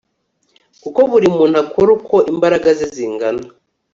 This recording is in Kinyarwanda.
kuko buri muntu akora uko imbaraga ze zingana